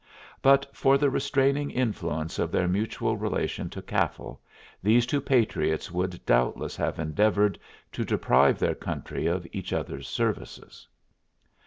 But for the restraining influence of their mutual relation to Caffal these two patriots would doubtless have endeavored to deprive their country of each other's services.